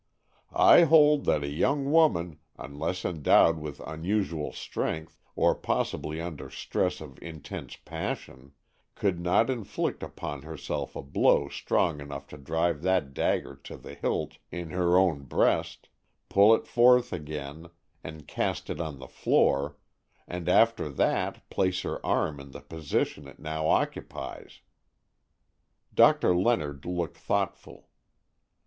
"I hold that a young woman, unless endowed with unusual strength, or possibly under stress of intense passion, could not inflict upon herself a blow strong enough to drive that dagger to the hilt in her own breast, pull it forth again, and cast it on the floor, and after that place her arm in the position it now occupies." Doctor Leonard looked thoughtful.